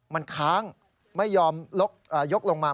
มันค้างไม่ยอมยกลงมา